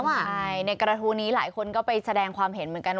ใช่ในกระทู้นี้หลายคนก็ไปแสดงความเห็นเหมือนกัน